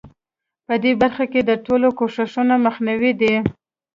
په دې برخه کې د ټولو کوښښونو مخنیوی دی.